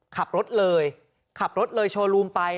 ขับรถเลยขับรถเลยโชว์รูมไป